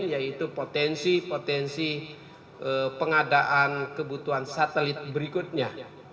yaitu potensi potensi pengadaan kebutuhan satelit berikutnya